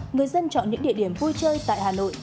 người dân chọn những địa điểm vui chơi tại hà nội